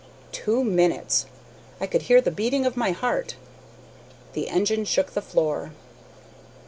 Two minutes! I could hear the beating of my heart. The engine shook the floor.